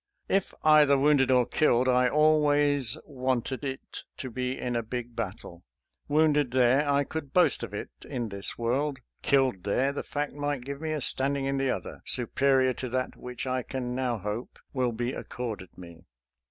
If either wounded or killed, I always wanted it to be in a big battle. Wounded there, I could boast of it in this world; killed there, the fact might give me a standing in the other, superior to that which I can now hope will be accorded me.